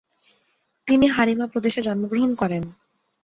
তিনি হারিমা প্রদেশে জন্মগ্রহণ করেন।